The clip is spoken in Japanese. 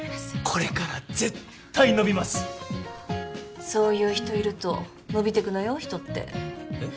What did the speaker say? これから絶対伸びますそういう人いると伸びてくのよ人ってえっ？